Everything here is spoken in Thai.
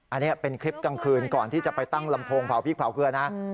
อันนี้เป็นคลิปกลางคืนก่อนที่จะไปตั้งลำโพงเผาพริกเผาเกลือนะ